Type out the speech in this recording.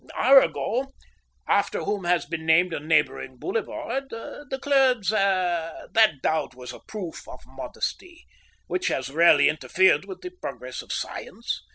"Arago, after whom has been named a neighbouring boulevard, declared that doubt was a proof of modesty, which has rarely interfered with the progress of science.